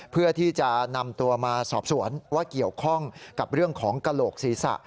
เพื่อที่จะนำตัวมาสอบสวนว่าเกี่ยวข้องกับเรื่องของกระโหลกศีรษะ